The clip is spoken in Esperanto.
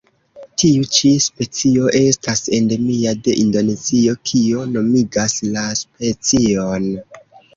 Tiu ĉi specio estas endemia de Indonezio, kio nomigas la specion.